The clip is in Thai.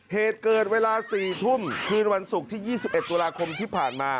เหตุเกิดเวลา๔ทุ่มคืนวันศุกร์ที่๒๑ตุลาคมที่ผ่านมา